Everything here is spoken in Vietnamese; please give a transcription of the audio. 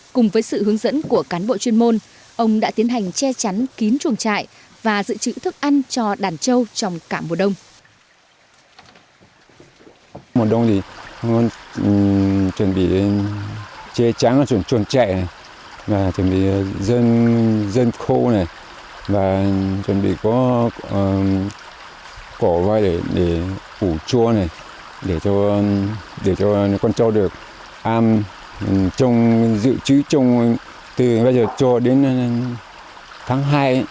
cùng với sự hướng dẫn của cán bộ chuyên môn ông đã tiến hành che chắn kín chuồng trại và dự trữ thức ăn cho đàn trâu trong cả mùa đông